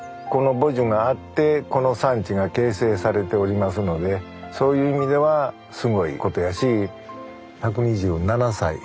この母樹があってこの産地が形成されておりますのでそういう意味ではすごいことやし１２７歳。